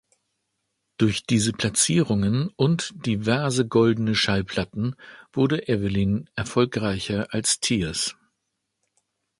Durch diese Platzierungen und diverse goldene Schallplatten wurde Evelyn erfolgreicher als Tears.